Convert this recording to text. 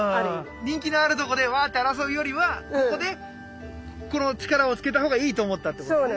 人気のあるとこでわっと争うよりはここでこの力をつけた方がいいと思ったってことですね。